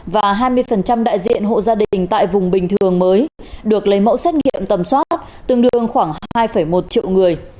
và hai mươi đại diện hộ gia đình tại vùng bình thường mới được lấy mẫu xét nghiệm tầm soát tương đương khoảng hai một triệu người